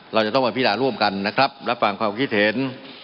เราจะต้องมาพินาร่วมกันนะครับรับฟังความคิดเห็น